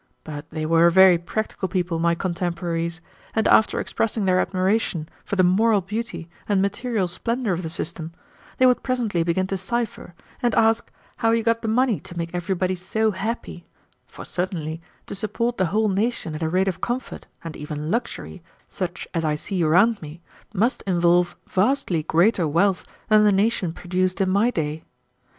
But they were a very practical people, my contemporaries, and after expressing their admiration for the moral beauty and material splendor of the system, they would presently begin to cipher and ask how you got the money to make everybody so happy; for certainly, to support the whole nation at a rate of comfort, and even luxury, such as I see around me, must involve vastly greater wealth than the nation produced in my day.